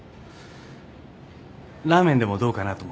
ラーメンでもどうかなと思って。